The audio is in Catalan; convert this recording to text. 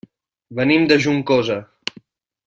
Venim de Juncosa.